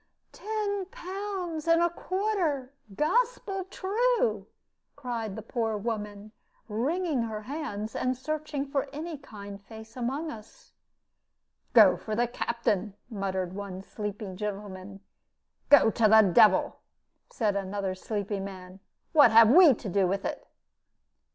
"Ten pounds and a quarter, gospel true!" cried the poor woman, wringing her hands, and searching for any kind face among us. "Go to the captain," muttered one sleepy gentleman. "Go to the devil," said another sleepy man: "what have we to do with it?"